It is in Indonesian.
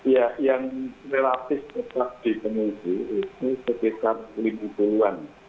ya yang relatif tetap di pengungsi itu sekitar sepuluh puluhan